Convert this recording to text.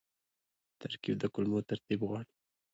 ترکیب د کلمو ترتیب غواړي.